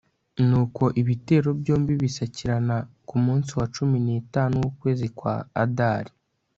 nuko ibitero byombi bisakirana ku munsi wa cumi n'itatu w'ukwezi kwa adari